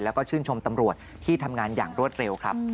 แล้วก็ชื่นชมตำรวจที่ทำงานอย่างรวดเร็วครับ